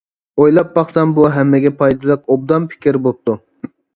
ئويلاپ باقسام بۇ ھەممىگە پايدىلىق ئوبدان پىكىر بوپتۇ.